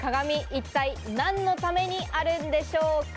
一体、何のためにあるんでしょうか？